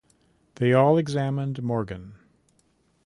They all examined Morgan.